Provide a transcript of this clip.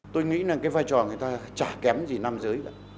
tôi nghĩ là cái vai trò người ta chả kém gì nam giới cả